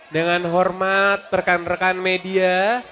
dengan hormat rekan rekan media